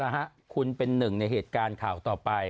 คุณเป็นหนึ่งในเหตุการณ์ข่าวต่อไป